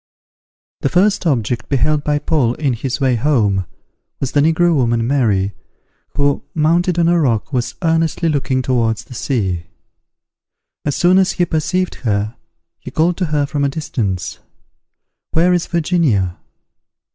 The first object beheld by Paul in his way home was the negro woman Mary, who, mounted on a rock, was earnestly looking towards the sea. As soon as he perceived her, he called to her from a distance, "Where is Virginia?"